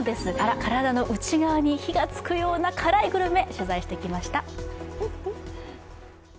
体の内側に火が付くような辛いグルメ、取材してきました。